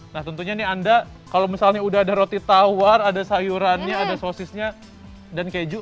nah tentunya nih anda kalau misalnya udah ada roti tawar ada sayurannya ada sosisnya dan keju